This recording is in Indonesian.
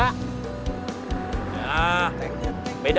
ah kiriman dari istri saya ada